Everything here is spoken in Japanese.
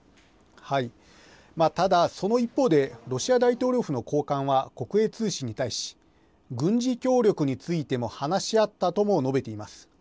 ただ、その一方でロシア大統領府の高官は国営通信に対し、軍事協力についても話し合ったとも述べています。